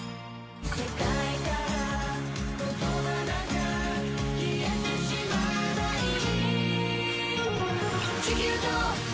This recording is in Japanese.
「世界から言葉なんか消えてしまえばいい」